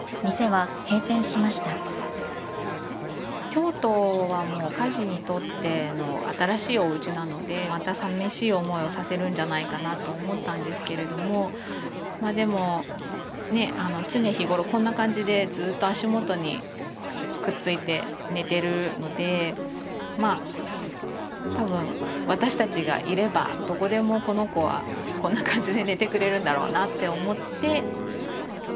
京都はもうカジにとっての新しいおうちなのでまたさみしい思いをさせるんじゃないかなと思ったんですけれどもまあでもね常日頃こんな感じでずっと足元にくっついて寝てるのでまあ多分私たちがいればどこでもこの子はこんな感じで寝てくれるんだろうなって思って。